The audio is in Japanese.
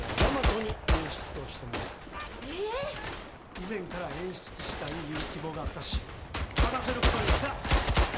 以前から演出したいいう希望があったし任せることにした！